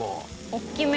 大きめ。